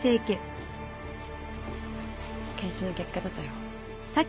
検視の結果出たよ